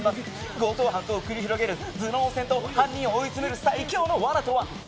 強盗犯と繰り広げる頭脳戦と犯人を追い詰める最強の罠とは？